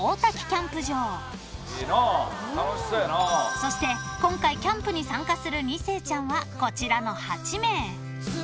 ［そして今回キャンプに参加する２世ちゃんはこちらの８名］